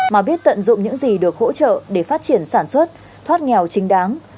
mà biết tận dụng những gì được hỗ trợ để phát triển sản xuất thoát nghèo chính đáng